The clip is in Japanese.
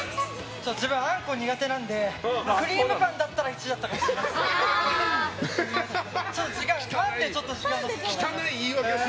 自分、あんこが苦手なんでクリームパンだったら１位だったかもしれないです。